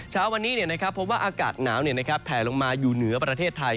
เช้าวันนี้พบว่าอากาศหนาวแผลลงมาอยู่เหนือประเทศไทย